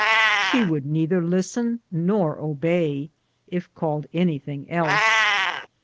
She would neither listen nor obey if called anything else.